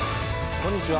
こんにちは。